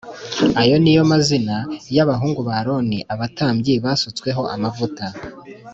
Ayo ni yo mazina y’ abahungu ba Aroni abatambyi basutsweho amavuta